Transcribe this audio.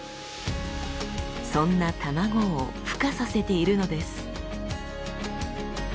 そんな卵をふ化させているのです。